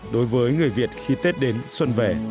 đối với người việt khi tết đến xuân về